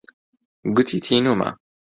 گوتی تینوومە.